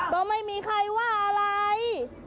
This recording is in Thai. ก็ไม่มีใครว่าอะไร